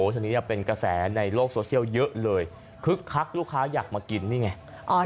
ทีนี้เป็นกระแสในโลกโซเชียลเยอะเลยคึกคักลูกค้าอยากมากินนี่ไง